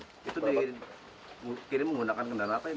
itu dikirim menggunakan kendaraan apa ya